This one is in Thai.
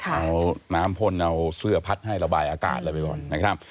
เอาน้ำพลเอาเสื้อพัดให้ระบายอากาศเลยไปก่อน